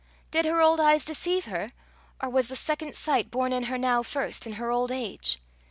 Did her old eyes deceive her? or was the second sight born in her now first in her old age?